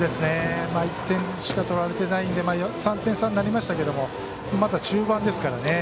１点ずつしか取られてないんで３点差になりましたけどまだ中盤ですからね。